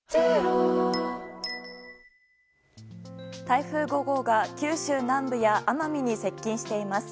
台風５号が九州南部や奄美に接近しています。